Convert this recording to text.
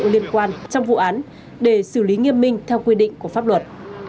liên quan trong vụ án để xử lý nghiêm minh theo quy định của pháp luật